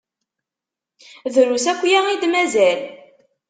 Drus akya i d-mazal.